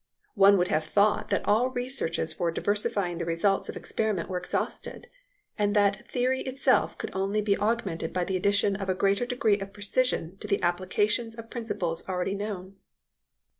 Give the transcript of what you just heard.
One would have thought that all researches for diversifying the results of experiment were exhausted, and that theory itself could only be augmented by the addition of a greater degree of precision to the applications of principles already known.